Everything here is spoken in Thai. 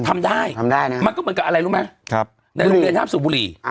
ทำได้ทำได้นะมันก็เหมือนกับอะไรรู้ไหมในโรงเรียนห้ามสูบบุหรี่